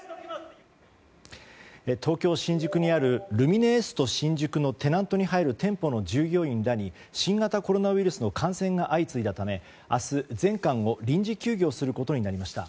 東京・新宿にあるルミネエスト新宿のテナントに入る店舗の従業員らに新型コロナウイルスの感染が相次いだため明日、全館を臨時休業することになりました。